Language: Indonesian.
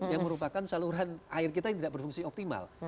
yang merupakan saluran air kita yang tidak berfungsi optimal